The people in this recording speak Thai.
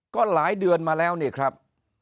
ก็หลายเดือนมาแล้วนี่ครับ